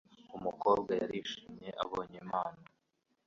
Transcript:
Umukobwa yarishimye abonye impano.